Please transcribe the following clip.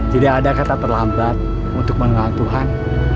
tidak ada kata terlambat untuk mengenal tuhan